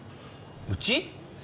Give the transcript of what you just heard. うち？